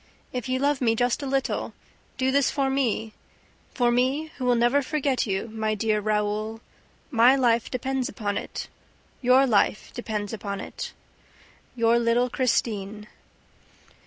If you love me just a little, do this for me, for me who will never forget you, my dear Raoul. My life depends upon it. Your life depends upon it. YOUR LITTLE CHRISTINE.